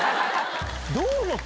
どう思った？